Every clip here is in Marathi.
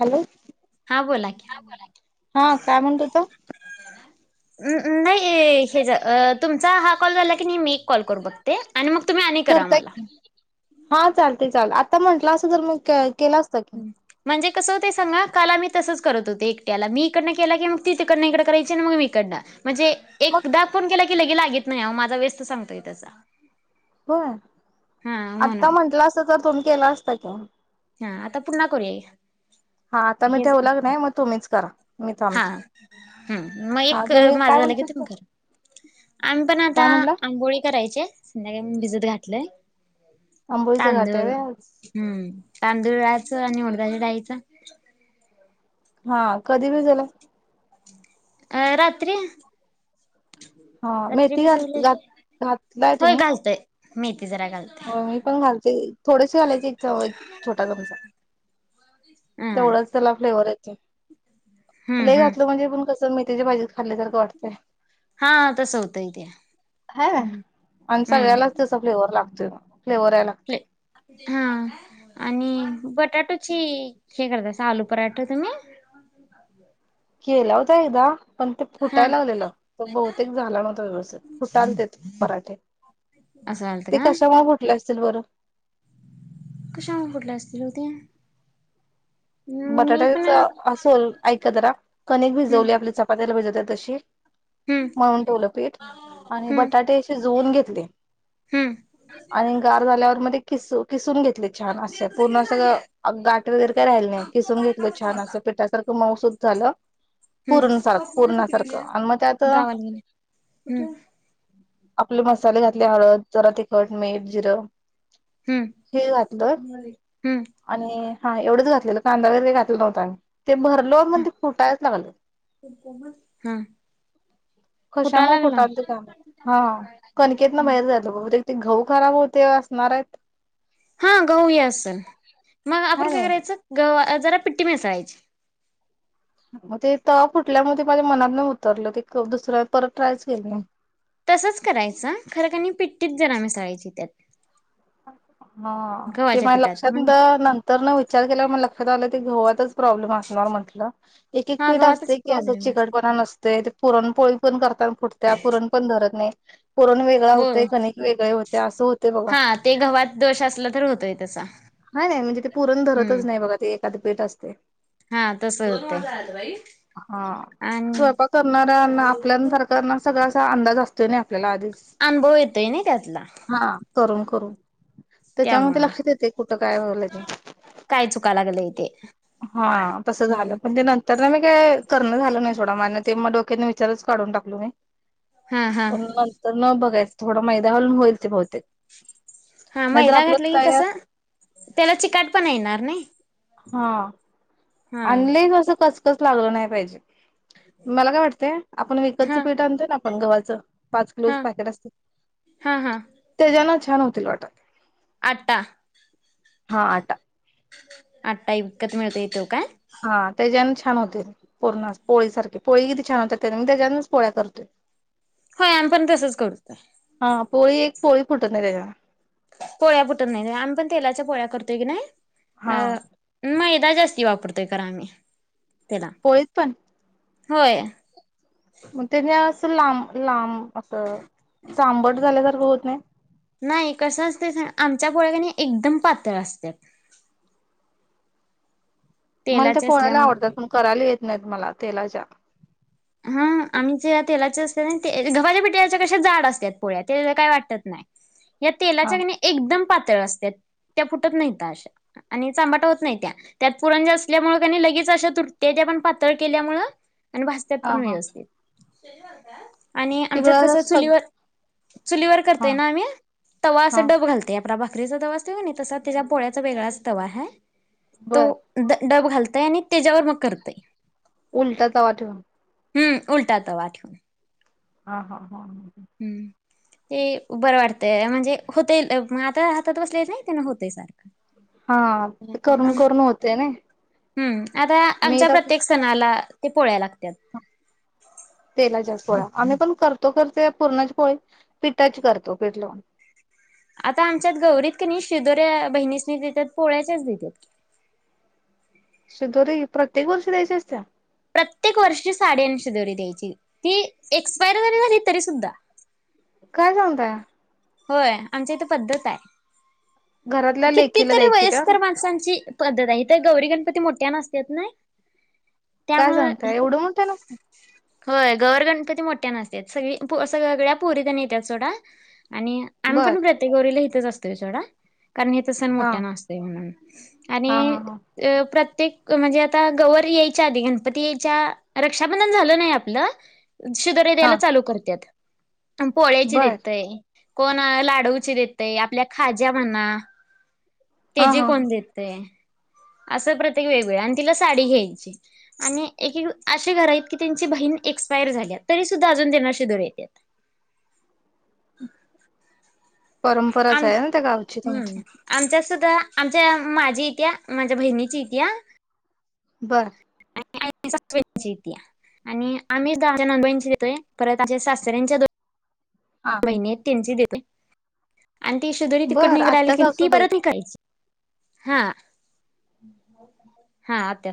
हॅलो हा बोला की. हा काय म्हणत होता नाही हे तुमचा हा कॉल झाला की नाही मी एक कॉल करून बघते. आणि मग तुम्ही आणि करा करताय मला. की हा चालतय चला आता म्हंटलं असं तर मग केलं असतं की म्हणजे कस होत सांगा काल आम्ही मी तसंच करत होते एकट्याला मी हिकडंण केला की मग ति तिकडंण करायची मग मी हिकडणं. म्हणजे मग एकदा फोन केला लगे लागेत नाही माझा व्यस्त सांगतोय तसा. होय हा आता म्हणून म्हंटलं असत तर तुम्ही केला असत की हा आता पुन्हा करूया हा आता मी हे ठेवला की नाय मग तुम्हीच करा. मी हा थांबते ह मग हा एक तुम्ही माझा काय झाला म्हणत कि तुम्ही करा आम्ही पण आता काय म्हटलं आंबोळी करायचे संध्याकाळी भिजत घाातलंय. आंबोळीच घाट तांदूळ आहे हम्म तांदळाचे आणि उडदाच्या डाळीचं हा कधी भिजवलं. अ रात्री. हा रात्री मेथी घात भिजवलेली घात घातलाय होय तुम्ही? घालतोय मेथी. जरा घालतोय हो मी पण घालते थोडेसे घालायचे छोटा चमचा हम्म तेवढाच त्याला फ्लेवर येतो. [inaudible] हम्म लय हम्म घातलं म्हणजे पण कस मेथीची भाजी खाल्लीसारख वाटते हा तसं होतंय ते ह हम्म आणि सगळ्यालाच त्याचा फ्लेवर लागतो मग फ्लेवर यायला लागते हा आणि बटाटोची हे करत अस आलू पराठा तुम्ही - केला होता एक एकदा - पण ते हा फुटायला लागलेलं तो बहुतेक झाला नव्हता तो व्यवस्थित फुटलतेत पराठे- असं घालता ते का कशा मुळ फुटलं असतील. सिल्वरर कशा फुटल्या असतील ओ त्या! बटाट्याच अस ऐका जरा कणिक हम्म भिजवली आपली चपात्याला भिजवत्यात! तसे हम्म मळून ठेवलं पीठ आणि हम्म बटाटे शिजवून घेतले हम्म आणि गार झाल्यावर मध्ये किसू - खिसून घेते. छान असे पूर्ण अस गाठ वगैरे काय राहिले नाही खिसून घेतल छान अस पिठासारखं - मऊ सूद झालं. हम्म पूर्ण सारखं स्वप्नाली कुठ पूर्णासारखं गेल्या आणि मग त्यात गावाला गेल्या कुठ! आपले मसाले घातले हळद जरा तिखट मीठ जिरं हम्म हे वाटलं हम्म आणि - हा एवढच घातल्याल! कांदा वैगेरे घातलं नव्हता आम्ही! ते भरलो मग ते फुटायच लागल हा फुटाय कशामुळे लागला फुटलात काय माहिती हां हा कणिकेतन बाहेर जायलत! ते गऊ खराब होते असणार आहेत. हा गहू ही असल मग आपण हाय काय नाही करायचं ग! जरा पिट्टी मिसळायची! मग ते त फुटल्यामुळे ते माझ्या मनात नाही उतरलं ते दुसऱ्या परत ट्रायच केली नाही. तसंच करायचं खरं क पिट्टीत जरा मिसाळायची त्यात - हां ते मा लक्षात म्हण द नंतर न विचार केलावर म लक्षात आलं. ते गव्हताच - प्रॉब्मम असणार मम्हटलं एक -एक हा पीठ गव्हातच असते की अस प्रॉब्लेम चिकटपणा नसतय! पुरणपोळी पण करतान फुटत्या पुरण पण धरत नाही. पुरण वेगळा होय होतय कणिक वेगळे होते असं होतेय बघा हा - ते गव्हात दोष असला तर होतोय तसा - नाही नाही म्हणजे ते पुरण धरतच नाही बघा ते. त्यात पीठ असतय. हा तस होतय हा. आणि. स्वयंपाक चा अंदाज असतोय नाय. अनुभव येतोय नाही त्यातला. हा करून करू त्याच्यामुळे ते त्यामुळं लक्षात येत काय चुका लागलं इथे. हा तसं झालं पण ते नंतर मी काय. करणं झालं नाही सोडा म माण ते म डोक्याने विचारच काढून टाकलो मी. हा हा पण नंतर न बघायचं. थोडा मैदा घालून होईल ते बहुतेक. हा नाहीतर मैदा आपलं घातलं की, तयार कसं त्याला चिकाट पण येणार नाय. आणले असं कसकस लागलं नाही. पाहिजे. मला काय वाटते आपण विकतचं हा पीठ आणतोय ना आप पण गव्हाचं. पाच हा किलोज पॅकेट असतं हा हा तेजान छा छान होतील वाटत. आटा. हा आटा. आटा विकत मिळतोय तो काय. हा त्याच्यान छान होते, पूर्ण पोळी सारखी पोळी किती छान होते त्या मी त्याच्यानच पोळ्या करते. होय आम्ही पण तसच करतोय. हा पोळी एक पोळी फुटून नाही त्याच्यान. पोळ्या पुटत नाही आम्ही पण तेलाच्या पोळ्या करतोय की, हा नाही मैदा जास्त. की वापरतोय करा आम्ही. त्याला पोळीत पण. होय. म त्यांनी आस लांब लांब. असं चांबट झाल्यासारखं. होत नाही. नाही कसं असत आमच्या पोळ्या कने एकदम पातळ असत्यात. मला ते तेलाचे पोळ्या आवडतात असल्यामुळे पण करायला येत नाहीत मला तेलाच्या हा आमच्या तेलाचे असते ना ते घव्हाच्या्या पिटचे कसे जाड असतात पोळ्या ते काय वाटत नाही या हा तेलाच्या ग एकदम प त्या फुटत नाहीत आणि चांबट होत नाही त्या त्यात पुरंजा असल्यामुळे लगेच अशा तुटते पण पातळ केल्यामुळे आणि पण व्यवस्थित हा हा शनिवार काय आज आणि आमच्यात तिकडं कसं सग चुलीवर चुलीवर हा करतय ना आम्ही तवा असं हा डब घालतय भाकरीचा तवा असतो की नाय तसा त्याज्या पोळ्याचा वेगळाच तवा आहे तो बर डब घालताय आणि त्याच्यावर मग करतय उलटा तवा ठेवून हम्म उलटा तवा ठेवून हा हा हा ह. हम्म ते बरं वाटतंय म्हणजे होतय आता हातात बसलय नाही तेन होतय सारखं हा करून करून होतय ना हम्म आता मी आमच्या तर प्रत्येक सणाला ते पोळ्या लागत्यात तेलाच्या पोळ्या आम्ही पण करतो तो करतो पूर्णाची पोळी पिठाची करतो पीठ लावून आता आमच्यात गौरीत की नाही शिदोऱ्या बहिणीसनी देतात पोळ्याच्याच देतात शिदोरी प्रत्येक वर्षी द्यायच्या असतिये प्रत्येक वर्षीची साडीं शीदोरी द्यायची ती एक्सपायर जरी झाली तरी सुद्धा काय सांगताय होय आमच्या इथे पद्धत आहे घरातल्या किती लेखीला तरी द्यायची का? वयस्कर माणसांची पद्धत इथ गौरी गणपती मोठ्यान असतात ना काय सांगताय एवढं मोठ्यान असतंय होय गौर गणपती मोठ्यान असतात सग सगळ्या पोरी येतात सोडा आणि आम्ही बर पण प्रत्येक गौरीला सोडा कारन हित सन हा. मोठ्यान असतोय म्हणून आणि हा हा हा अ प्रत्येक ते म्हणजे आता गवर यायच्या आधी गणपती यायच्या रक्षाबंधन झालं ना आपलं शिदोरी हा द्यायला चालू करतात पोळ्याची बर देतय कोण लाडूवाची देतय आपल्या खाज्या म्हणा हा हा तेजकंदेते असं प्रत्येक वेगवेगळे आणि तिला साडी घ्यायची आणि एक अे घर आहेत की त्यांची बहीण एक्स्पायर झाल्या तरी सुद्धा अजून त्यांना शिजर येतात परंपराच आहे ना त्या गावची तुमच्या आ आमच्या माझी इथ माझ्या बहिणीची येते बर आणि सासची य आणि आम्ही दहा नची येतोय परत आमच्या सासऱ्यांच्या दो हा महिने तीनची दि [inaudible] आणि ती सुधुरी तिकड बर निघ रा आली आत्या की ती सासूबाई परत निघायची हा हा आत्या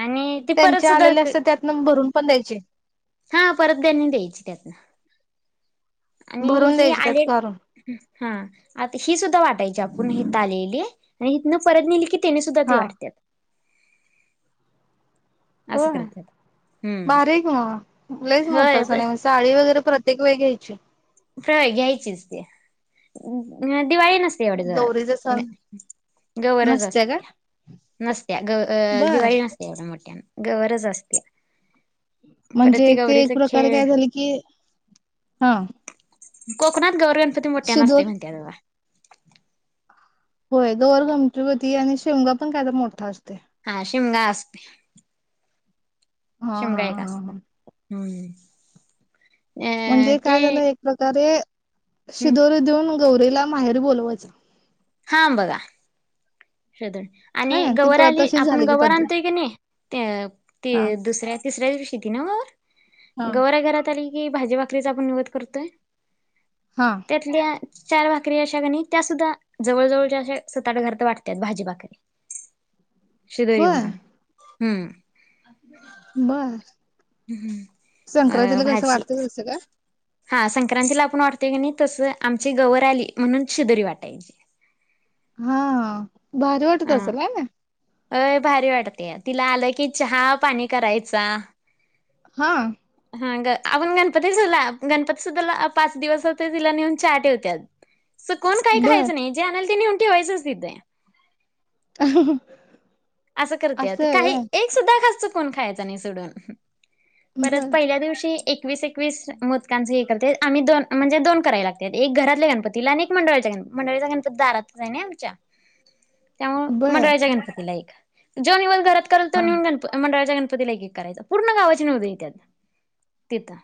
आणि ती परत त्यांचे सुद्धा आलेले अस त्यात नं भरून पण द्यायची हा परत त्यांनी द्यायची त्यातन आणि भरून ही द्यायचे त्यात आले कारून हा आता ही सुद्धा वाटायची आपण हिथ आलेली आणि परत नेली की तिने सुद्धा ती हा वाटत असं होय करत्यात हम्म बारीक मगलाच मोठ होय असं नाही साडी वगैरे प्रत ्येक वेग्यायचे प्रवा घ्यायचीच ते दिवाळी नसते एवढ्या जोरात गौरीचा सण गवरज नसते का असत्या नसत्या ग बर दिवाळी नसते एवढ्या मोठ्या गरज असते परत म्हणजे ते एक गौरीचा प्रकारे खेळ काय झाले की हा कोकणात गौरगणपती मोठ्या नसते शिदोल म्हणतेात तेव्हा होय दोवर गमतीपती आणि शेवगा पण कायदा मोठा असते हा शिमंग अस असते हा शिमगा हा एक हा असत हा हम्म अ म्हणजे ते काय झाला एक प्रकारे हम्म शिदोरी देऊन गौरीला माहेरी बोवायच हा बघ शध हाय ना आणि ती गवर प आली तशीच आपण झाली की गववर पद्धत आणतोय की नाही ते हा त दुसऱ्या तिसऱ्या दिवशीती ना वर हा गौऱ्या घरात आली. की भाजी भाकरीचा आपण निवत करतोय. हा त्यातल्या चार भाकरी अशा कणी त्या सुद्धा जवळ जवळच्या सात आठ घरात वाटतात. त्यात भाजीभाकरी शिदोरी होय म्हणा हम्म. बास. अ संक्रांतीला कस भाजी वाटत तसं का? हा संक्रांतीला आपण वाटतोय की नाही तसं आमची गवर आली म्हणून शिदोरी वाटायची. हा. भारी वाटत असेल ना हा ना. अय भारी वाटतीय तिला आलं की चहा पाणी करायचा. हा. हा ग आपण गणपती सुला गणपती सुद्धाला पाच दिवस होते तिला नेऊन चहा ठेवत्यात. असं कोण काही बर खायचं नाही जे आणलं ते नेहून ठेवायचं तिथे. असं करतात आहे काही होय एक सुद्धा घास चुकत कोण खायच नाही सोडून परत बर पहिल्या दिवशी एकवीस एकवीस मोदकाचं हे करते आम्ही दोन म्हणजे दोन करायला लागतात एक घरातल्या गणपतीला आणि एक मंडळाच्या गणपतीला मंडळाच्या गणपती दारातच आहे ना आमच्या त्यामुळे बर मंडळाच्या गणपतीला एक. जेव निवांत घरात. करते हा ना मंडळाच्या दारात. गणपतीला एक एक करायचं पूर्ण गावाचे निवद येतात.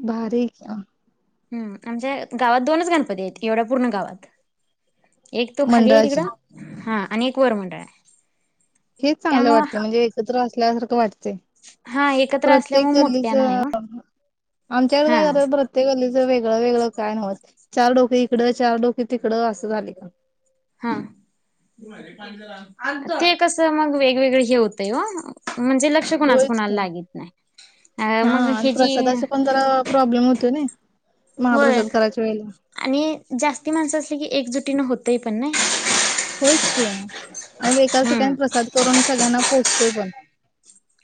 भारी कि हा आमच्या गावात दोनच गणपती आहेत एवढ्या पूर्ण गावात. एक तो खाली आहे मंडळाचे तिकडं हा. कोरमंडळ. हेच चांगलं वाटते म्हणजे एकत्र असत. थकल्यासारखे वाटते. हा एकत्र प्रत्येक असल्यामुळे गल्लीच मोठ्यानं आहे ओ आमच्याकडे हा काय करतात प्रत्येक गल्लीचं वेगळं वेगळं काय नवत चार डोक इकडं. इकडं चार डोके तिकडं असं झाले का हा ते कसं मग वेगवेगळे जेवते हो म्हणजे लक्ष कोणाच होयच कोणाला की लागत नाही अ हा मग आणि हे जी प्रसादाचे पण जरा प्रॉब्लेम होतो ना होय महाप्रसाद करायच्या वेळेला आणि जास्ती माणसं असली की एकजुटीन होत ते पण होच क आणि मी एकाच हम्म ठिकाणी प्रसाद करून सग्यांना पोचो ते पण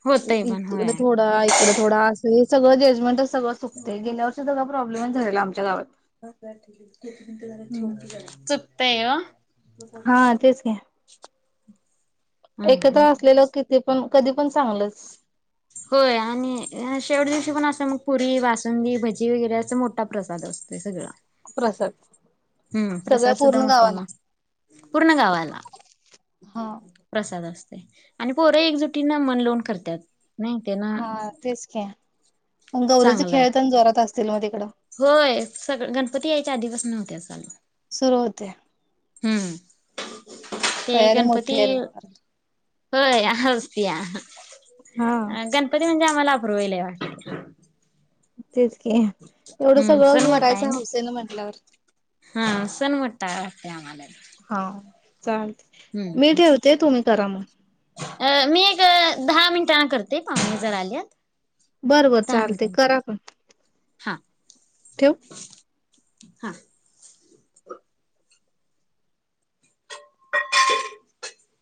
होतंय पण होय इकडे थोडा इकडं थोडं असे सगळ जजमें सग सुक गे प्रॉ बलंमन झाले आच्या गावात [inaudible] तेव हो हा एकदा असलेलं किती पण कधी पण चांगलंच होय आणि शेवट दिवशी पण असं मग पुरी बसुंदी भजी वगैरे याचा मोठा प्रसाद असतोय सगळां प्रसाद हम्म सगळ्या प्रसाद सुद्धा पूर्ण मोठे गावाला नत पूर्ण गावाला हा प्रसाद असतो आणि पोर एकजुटी ना मन लोन करतात हा तेच खे गौरीचा चांगलं आहे खेळ पण जोरात असत सकडे होय सग गणपती यायच्या आधीवस नव्हत्या चालू सुरू होते हम्म ते तयारी गणपती मोठी आहेल होय असतया हा अ गणपती म्हणजे आ मलापर वईले वाट तेितक एवढं सण सगळं मोठा आहे करायचं ना हौसेन म्हटल्यावर हा सण मोठा वाटतय आम्हाला हा चालते मी ठेवते तुम्ही करा मग अ मी एक दहा मिनिटांना करते पाहणे जर आलीत बर बर चालते करा पण हां तव हा [inaudible]